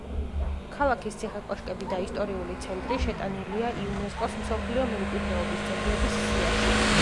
ქალაქის ციხე-კოშკები და ისტორიული ცენტრი შეტანილია იუნესკოს მსოფლიო მემკვიდრეობის ძეგლების სიაში.